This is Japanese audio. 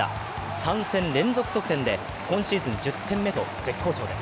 ３戦連続得点で今シーズン１０点目と絶好調です。